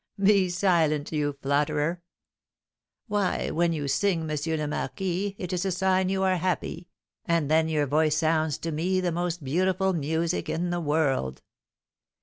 "Be silent, you flatterer!" "Why, when you sing, M. le Marquis, it is a sign you are happy, and then your voice sounds to me the most beautiful music in the world."